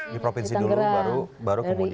di provinsi dulu baru kemudian